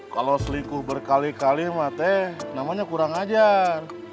kalau selingkuh berkali kali mate namanya kurang ajar